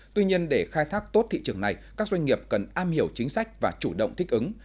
tuy nhiên để khai thác tốt thị trường này các doanh nghiệp cần am hiểu chính sách và chủ động thích ứng